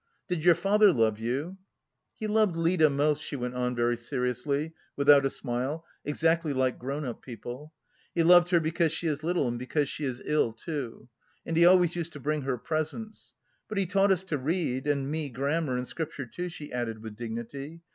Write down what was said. "Did your father love you?" "He loved Lida most," she went on very seriously without a smile, exactly like grown up people, "he loved her because she is little and because she is ill, too. And he always used to bring her presents. But he taught us to read and me grammar and scripture, too," she added with dignity.